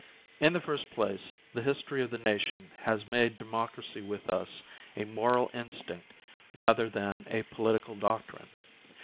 In the first place the history of the nation has made democracy with us a moral instinct rather than a political doctrine.